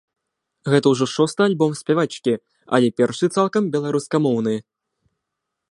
Гэта ўжо шосты альбом спявачкі, але першы цалкам беларускамоўны.